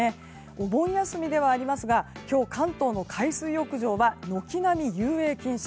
お盆休みではありますが今日、関東の海水浴場は軒並み、遊泳禁止。